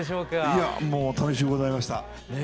いやもう楽しゅうございました。